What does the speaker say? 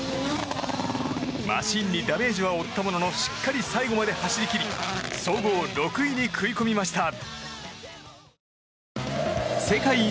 マシンにダメージは負ったもののしっかり最後まで走り切り総合６位に食い込みました。